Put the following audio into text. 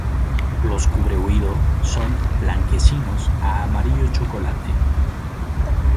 Los cubre oído son blanquecinos a amarillo-chocolate.